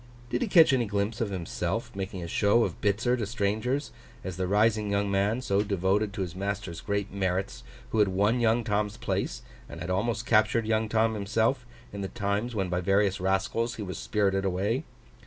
Did he catch any glimpse of himself making a show of Bitzer to strangers, as the rising young man, so devoted to his master's great merits, who had won young Tom's place, and had almost captured young Tom himself, in the times when by various rascals he was spirited away?